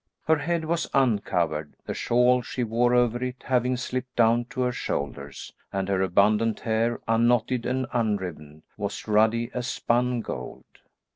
Her head was uncovered, the shawl she wore over it having slipped down to her shoulders, and her abundant hair, unknotted and unribboned, was ruddy as spun gold.